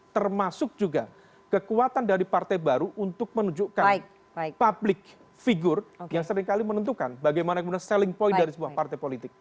termasuk juga kekuatan dari partai baru untuk menunjukkan public figure yang seringkali menentukan bagaimana kemudian selling point dari sebuah partai politik